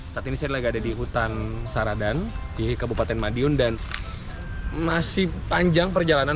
saat ini saya lagi ada di hutan saradan di kabupaten madiun dan masih panjang perjalanan